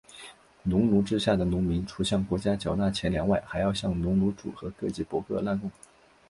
农奴制下的农民除向国家缴纳钱粮外还要向农奴主和各级伯克纳贡。